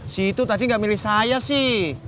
situ tadi nggak milih saya sih